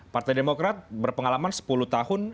partai demokrat berpengalaman sepuluh tahun